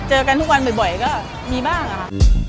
เจอกันทุกวันบ่อยก็มีบ้างอะค่ะ